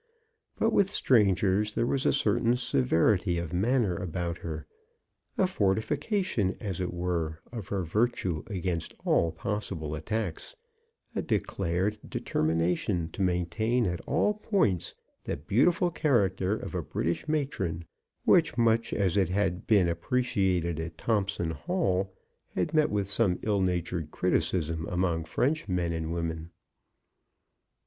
But with strangers there was a certain severity of manner about her — a fortifica tion, as it were, of her virtue against all possible attacks — a declared de termination to maintain, at all points, the beauti ful character of a British matron, which, much as it had been appre «■— ciated at Thompson Hall, had met with some ill natured criticism among French men and women.